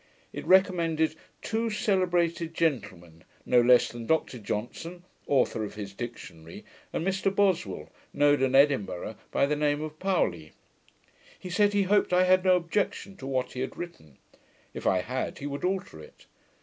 It recommended 'two celebrated gentlemen; no less than Dr Johnson, AUTHOR OF HIS DICTIONARY, and Mr Boswell, known at Edinburgh by the name of Paoli'. He said, he hoped I had no objection to what he had written; if I had, he would alter it.